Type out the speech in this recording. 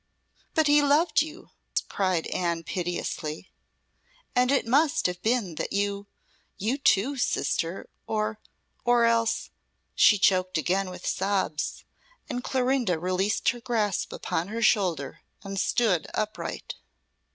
"But he loved you!" cried Anne piteously, "and it must have been that you you too, sister or or else " She choked again with sobs, and Clorinda released her grasp upon her shoulder and stood upright.